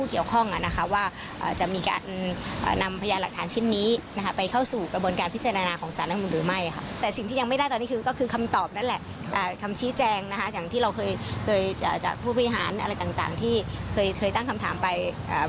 เคยจากผู้พิหารอะไรต่างที่เคยตั้งคำถามไป